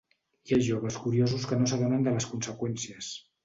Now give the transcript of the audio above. Hi ha joves curiosos que no s'adonen de les conseqüències.